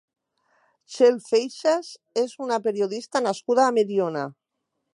Txell Feixas és una periodista nascuda a Mediona.